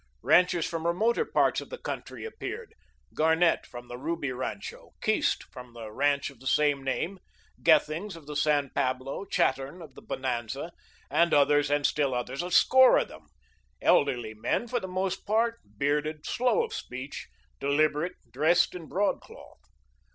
Ranchers from remoter parts of the country appeared: Garnett, from the Ruby rancho, Keast, from the ranch of the same name, Gethings, of the San Pablo, Chattern, of the Bonanza, and others and still others, a score of them elderly men, for the most part, bearded, slow of speech, deliberate, dressed in broadcloth.